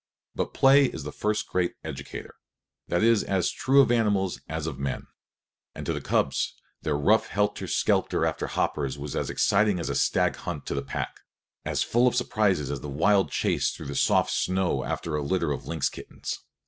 But play is the first great educator, that is as true of animals as of men, and to the cubs their rough helter skelter after hoppers was as exciting as a stag hunt to the pack, as full of surprises as the wild chase through the soft snow after a litter of lynx kittens.